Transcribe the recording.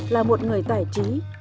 là một người tài trí